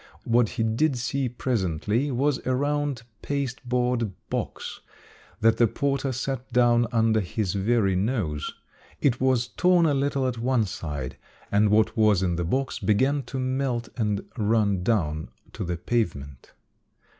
What he did see presently was a round pasteboard box that the porter set down under his very nose. It was torn a little at one side and what was in the box began to melt and run down to the pavement.